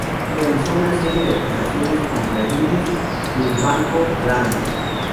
Realizó una serie de acusaciones contra Yunus y el Banco Grameen.